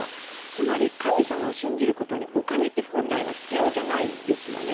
つまり神様を信じることにお金って本来必要じゃないですよね。